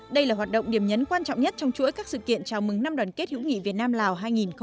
đây là hoạt động điểm nhấn quan trọng nhất trong chuỗi các sự kiện chào mừng năm đoàn kết hữu nghị việt nam lào hai nghìn một mươi chín